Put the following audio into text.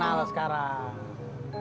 nah lo sekarang